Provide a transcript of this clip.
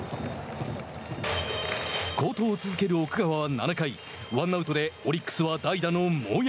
好投を続ける奥川は７回ワンアウトでオリックスは代打のモヤ。